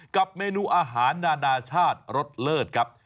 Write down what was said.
กับเมนูอาหารนานาชาติรสเลิศครับ